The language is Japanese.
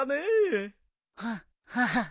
ハッハハ。